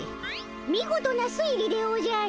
見事な推理でおじゃる。